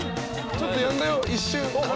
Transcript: ちょっとやんだよ一瞬風。